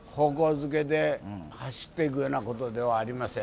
づけで走っていくようなことではありません。